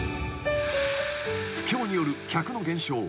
［不況による客の減少。